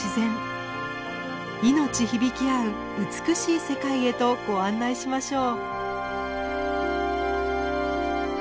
いのち響き合う美しい世界へとご案内しましょう。